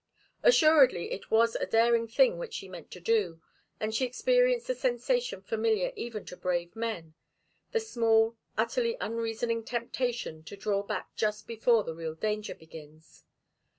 Assuredly it was a daring thing which she meant to do, and she experienced the sensation familiar even to brave men the small, utterly unreasoning temptation to draw back just before the real danger begins.